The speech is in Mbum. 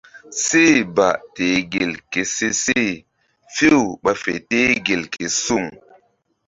Seh ba teh gel ke se she few ɓa fe teh gel ke suŋ.